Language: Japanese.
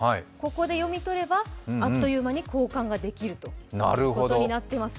ここで読み取ればあっという間に交換ができるということになっています。